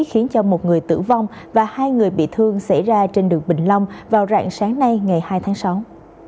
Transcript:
khiến cho một người tử vong và hai người bị thương xảy ra trên đường bình long vào rạng sáng nay ngày hai tháng sáu